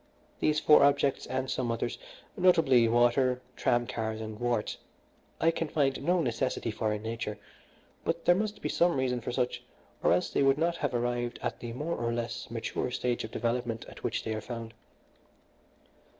These four objects, and some others notably water, tram cars, and warts I can find no necessity for in nature; but there must be some reason for such, or else they could not have arrived at the more or less mature stage of development at which they are found.